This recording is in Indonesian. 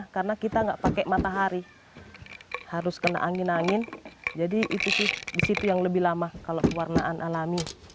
karena kita nggak pakai matahari harus kena angin angin jadi itu sih di situ yang lebih lama kalau pewarnaan alami